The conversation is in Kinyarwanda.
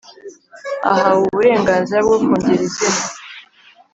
ahawe uburenganzira bwo kongera izina